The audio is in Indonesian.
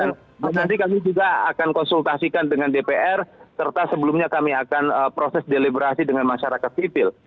dan nanti kami juga akan konsultasikan dengan dpr serta sebelumnya kami akan proses deliberasi dengan masyarakat sivil